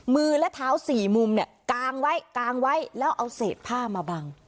มือและเท้าสี่มุมเนี่ยกางไว้กางไว้แล้วเอาเศษผ้ามาบัง